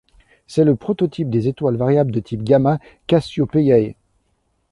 C'est le prototype des étoiles variables de type Gamma Cassiopeiae.